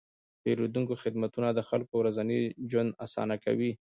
د پیرودونکو خدمتونه د خلکو ورځنی ژوند اسانه کوي.